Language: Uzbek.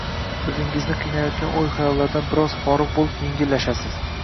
o‘zingizni qiynayotgan o‘y-xayollardan biroz forig‘ bo‘lib, yengillashasiz.